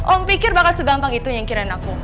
om pikir bakal segampang itu nyengkiran aku